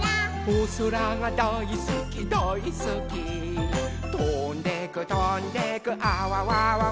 「おそらがだいすきだいすき」「とんでくとんでくあわわわわ」